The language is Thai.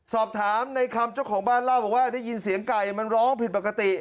สอบถามในคำเจ้าของบ้านเล่าบอกว่าได้ยินเสียงไก่มันร้องผิดปกติ